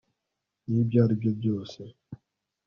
nibyo aribyo byose